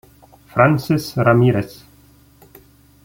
Francesc Ramírez